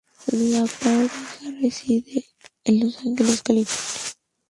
La pareja reside en Los Ángeles, California.